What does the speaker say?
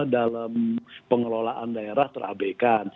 dalam pengelolaan daerah terabehkan